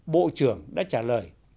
bộ trưởng đã trả lời